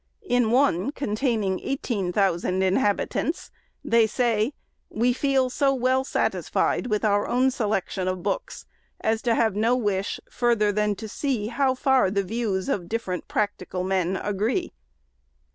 In one, containing SECOND ANNUAL REPORT. 559 eighteen thousand inhabitants, they say, " we feel so well satisfied with our own selection of books, as to have no wish, farther than to see how far the views of different practical men agree."